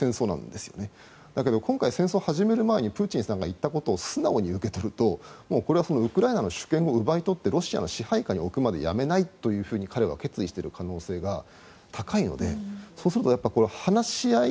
ですが今回の戦争を始める前にプーチン大統領が言ったのはこれはウクライナの主権を奪ってロシアの支配下に置くまで彼は決意している可能性が高いのでそうすると話し合い